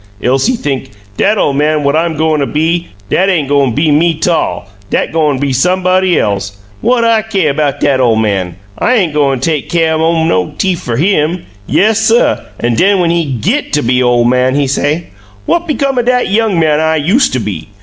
Else he think, 'Dat ole man what I'm goin' to be, dat ain' goin' be me 'tall dat goin' be somebody else! What I caih 'bout dat ole man? I ain't a goin' take caih o' no teef fer HIM!' Yes, suh, an' den when he GIT to be ole man, he say, 'What become o' dat young man I yoosta be?